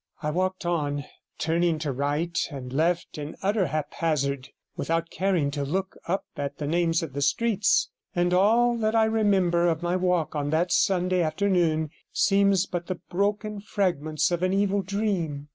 I walked on, turning to right and left in utter haphazard, without caring to look up at the names of the streets, and all that I remember of my walk on that Sunday afternoon seems but the broken fragments of an evil dream.